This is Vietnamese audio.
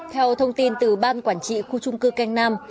theo thông tin từ ban quản trị khu trung cư canh nam